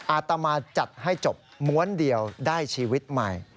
อาตมาจัดให้จบม้วนเดียวได้ชีวิตใหม่